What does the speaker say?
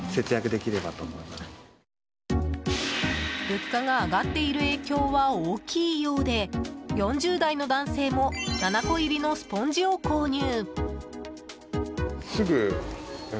物価が上がっている影響は大きいようで４０代の男性も７個入りのスポンジを購入。